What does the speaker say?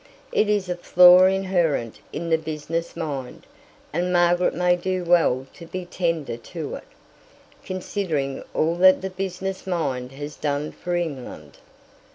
It is a flaw inherent in the business mind, and Margaret may do well to be tender to it, considering all that the business mind has done for England.